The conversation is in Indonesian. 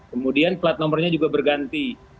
kemudian plat nomornya juga berganti